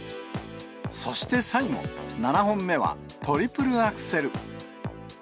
そして最後、７本目はトリプルアクセル。